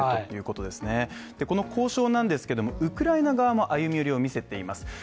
この交渉ですけれども、ウクライナ側も歩み寄りを見せています。